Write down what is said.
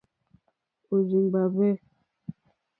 Òrzèmbá hwɛ̂.